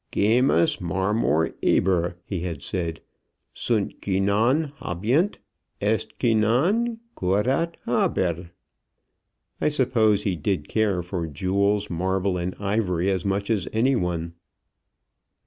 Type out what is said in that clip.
"'Gemmas, marmor, ebur,'" he had said. "'Sunt qui non habeant; est qui non curat habere.' I suppose he did care for jewels, marble, and ivory, as much as any one.